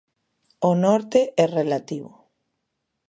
O norte é relativo.